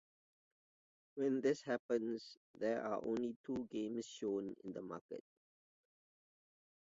When this happens, there are only two games shown in the market.